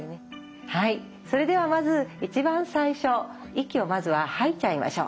はいそれではまず一番最初息をまずは吐いちゃいましょう。